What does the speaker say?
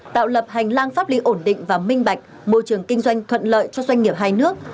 tạo lập hành lang pháp lý ổn định và minh bạch môi trường kinh doanh thuận lợi cho doanh nghiệp hai nước